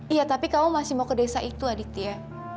iya tapi kamu masih mau ke desa itu aditya